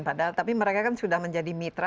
padahal tapi mereka kan sudah menjadi mitra